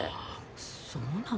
そうなの？